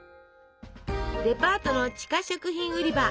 デパートの地下食品売り場。